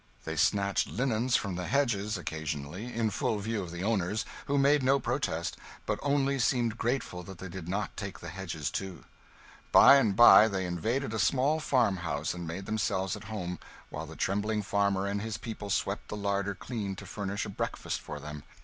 They snatched linen from the hedges, occasionally in full view of the owners, who made no protest, but only seemed grateful that they did not take the hedges, too. By and by they invaded a small farmhouse and made themselves at home while the trembling farmer and his people swept the larder clean to furnish a breakfast for them.